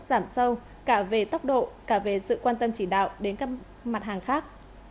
giảm sâu cả về tốc độ cả về sự quan tâm chỉ đạo đến các mặt hàng khác